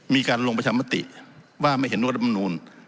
มีการลงประชามติว่าไม่เห็นด้วยรัฐมนูล